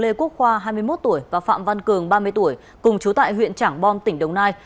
lê quốc khoa hai mươi một tuổi và phạm văn cường ba mươi tuổi cùng chú tại huyện trảng bom tỉnh đồng nai